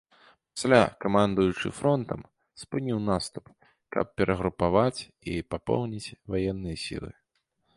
Пасля камандуючы фронтам спыніў наступ, каб перагрупаваць і папоўніць ваенныя сілы.